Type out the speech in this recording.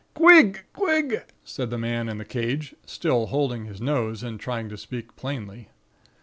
"'Quig! quig!' said the man in the cage, still holding his nose, and trying to speak plainly.